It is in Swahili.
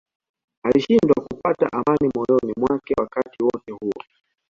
Alishindwa kupata amani moyoni mwake wakati wote huo